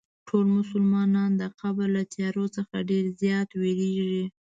ټول مسلمانان د قبر له تیارو څخه ډېر زیات وېرېږي.